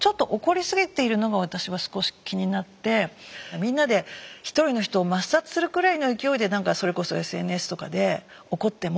みんなで１人の人を抹殺するくらいの勢いでそれこそＳＮＳとかで怒っても。